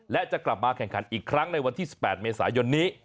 และจะกลับมาแข่งขันอีกครั้งในวันที่๑๘เมษายนนี้